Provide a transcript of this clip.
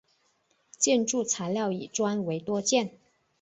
建筑材料以砖为多见。